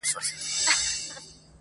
دا حالت د هغې رواني ماتې ژور انځور دی,